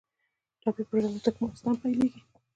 ټاپي پروژه له ترکمنستان پیلیږي